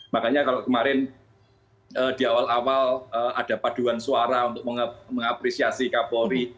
makanya kalau kemarin di awal awal ada paduan suara untuk mengapresiasi kapolri